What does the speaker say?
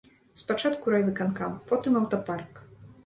Спачатку райвыканкам, потым аўтапарк.